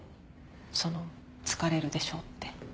その疲れるでしょ？って。